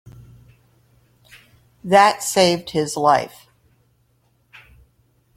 That saved his life.